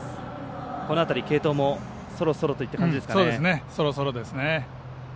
この辺り、継投もそろそろといった感じですね。